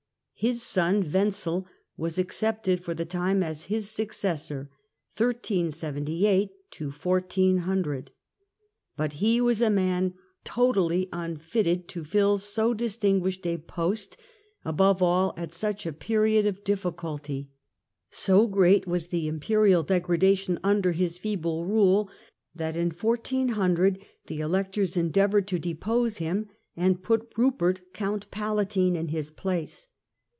His son Wenzel was accepted for the time as his successor, but he was a man totally unfitted to fill so distinguished a post, above all at such a period of difficulty. So great was the Imperial degradation under his feeble rule, that in 1400 the Electors endeavoured to depose him and put Kupert Count Palatine in his place.